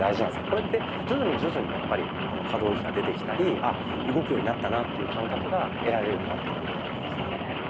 これって徐々に徐々に可動域が出てきたり「あ動くようになったな」っていう感覚が得られるようになってくると思います。